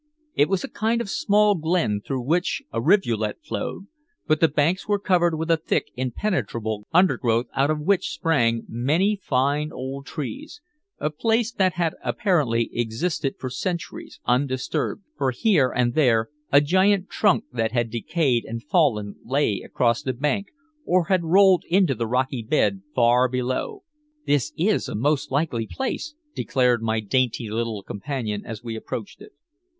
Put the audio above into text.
It was a kind of small glen through which a rivulet flowed, but the banks were covered with a thick impenetrable undergrowth out of which sprang many fine old trees, a place that had apparently existed for centuries undisturbed, for here and there a giant trunk that had decayed and fallen lay across the bank, or had rolled into the rocky bed far below. "This is a most likely place," declared my dainty little companion as we approached it.